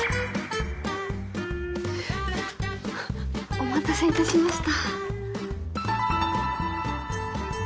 お待たせいたしました。